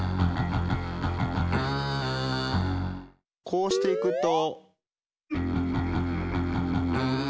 こうしていくと。